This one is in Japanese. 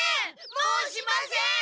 もうしません！